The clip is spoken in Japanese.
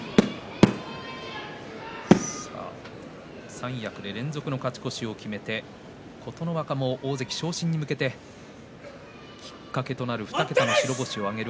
三役で連続の勝ち越しを決めて琴ノ若も大関昇進に向けてきっかけとなる２桁の白星を挙げる